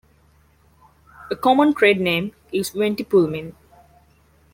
A common trade name is Ventipulmin.